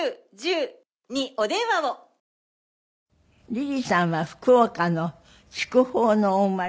リリーさんは福岡の筑豊のお生まれ。